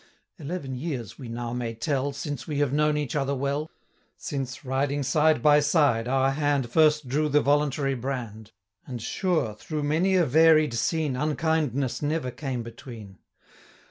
Eleven years we now may tell, Since we have known each other well; Since, riding side by side, our hand First drew the voluntary brand; 10 And sure, through many a varied scene,, Unkindness never came between.